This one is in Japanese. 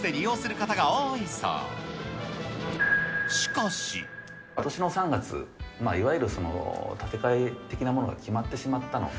ことしの３月、いわゆる建て替え的なものが決まってしまったので。